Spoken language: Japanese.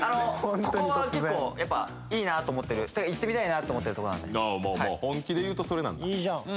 ここは結構やっぱいいなと思ってるだから行ってみたいなと思ってるとこなんで本気で言うとそれなんだいいじゃん